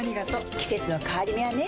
季節の変わり目はねうん。